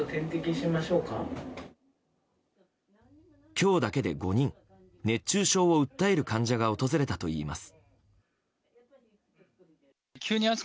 今日だけで５人熱中症を訴える患者が訪れたといいます。